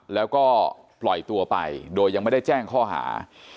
แล้วก็ปล่อยตัวไปโดยยังไม่ได้แจ้งข้อหา